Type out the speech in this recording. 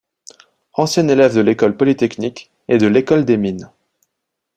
Ancien élève de l'École polytechnique, et de l'École des mines.